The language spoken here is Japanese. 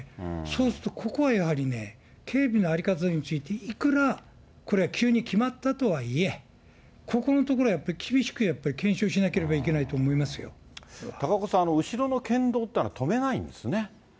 そうすると、ここはやはりね、警備の在り方についていくら、これ、急に決まったとはいえ、ここのところはやっぱり厳しくやっぱり検証しなければいけないと高岡さん、後ろの県道っていうのは、あれ、止めないんですね。